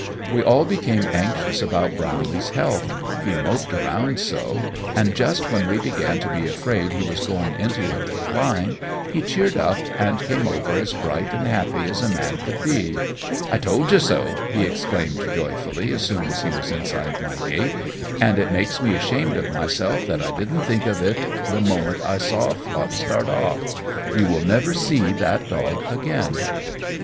We all became anxious about Brownlee's health he moped around so; and just when we began to be afraid he was going into a decline he cheered up, and came over as bright and happy as a man could be. "I told you so!" he exclaimed joyfully, as soon as he was inside my gate. "And it makes me ashamed of myself that I didn't think of it the moment I saw Fluff start off. You will never see that dog again."